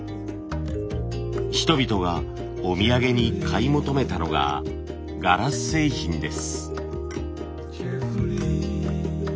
人々がお土産に買い求めたのがガラス製品です。